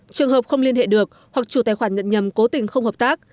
trường hợp không liên hệ được hoặc chủ tài khoản nhận nhầm cố tình không hợp tác